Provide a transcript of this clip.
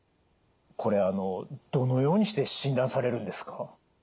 これどのようにして診断されるんですか？